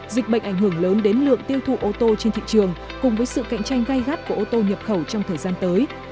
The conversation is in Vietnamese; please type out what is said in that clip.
dịch bệnh ảnh hưởng lớn đến lượng tiêu thụ ô tô trên thị trường cùng với sự cạnh tranh gai gắt của ô tô nhập khẩu trong thời gian tới